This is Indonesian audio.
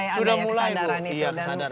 jadi sudah mulai ada kesadaran itu